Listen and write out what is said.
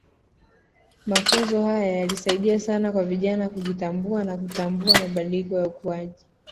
Mafunzo haya yalisaidia sana kwa vijana kujitambua na kutambua mabadiliko ya ukuaji